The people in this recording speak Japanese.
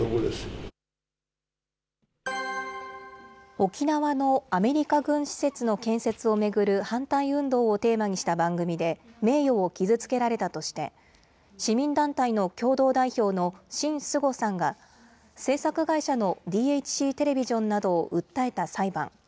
沖縄のアメリカ軍施設の建設を巡る反対運動をテーマにした番組で名誉を傷つけられたとして、市民団体の共同代表の辛淑玉さんが、制作会社のＤＨＣテレビジョンなどを訴えた裁判。